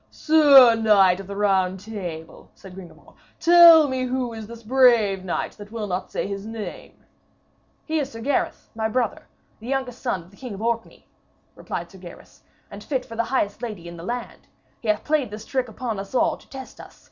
'Sir Knight of the Round Table,' said Sir Gringamor, 'tell me who is this brave knight that will not say his name?' 'He is Sir Gareth, my brother, the youngest son of the King of Orkney,' replied Sir Gaheris, 'and fit for the highest lady in the land. He hath played this trick upon us all, to test us.